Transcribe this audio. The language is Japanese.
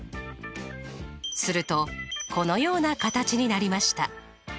するとこのような形になりました。